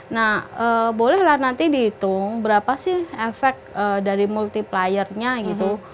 nah bolehlah nanti dihitung berapa sih efek dari multipliernya gitu